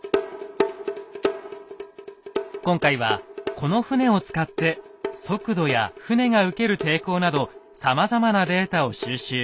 今回はこの船を使って速度や船が受ける抵抗などさまざまなデータを収集。